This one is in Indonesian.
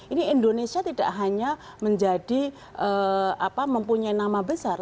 ini indonesia tidak hanya menjadi mempunyai nama besar